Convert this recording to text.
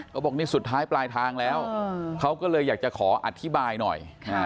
บอกนี่สุดท้ายปลายทางแล้วเขาก็เลยอยากจะขออธิบายหน่อย